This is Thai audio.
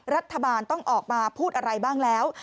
รัฐบาลต้องออกมาพูดอะไรบ้างแล้ว